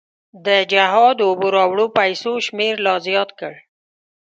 د جهاد اوبو راوړو پیسو شمېر لا زیات کړ.